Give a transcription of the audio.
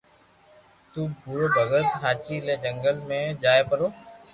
تو ڀورو ڀگت ھاچي لي جنگل جائي پرو